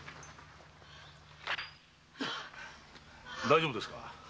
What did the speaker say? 大丈夫ですか？